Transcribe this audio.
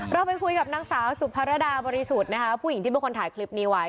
เราไปคุยกับนางสาวสุภารดาบริสุทธิ์นะคะผู้หญิงที่เป็นคนถ่ายคลิปนี้ไว้